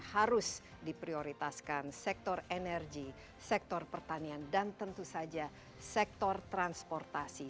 harus diprioritaskan sektor energi sektor pertanian dan tentu saja sektor transportasi